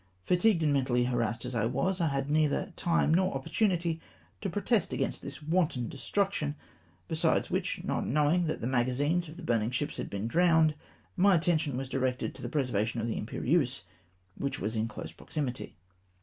Fatigued, and mentally harassed as I was, I had neither time nor opportunity to protest against this wanton destruction; besides wliich, not knowing that the magazines of the burning ships had been drowned, my attention was dkected to the preservation of the Imperieuse^ which was in close proximity.